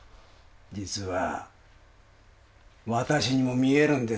実はわたしにも見えるんです。